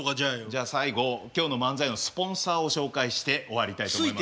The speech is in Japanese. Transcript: じゃあ最後今日の漫才のスポンサーを紹介して終わりたいと思います。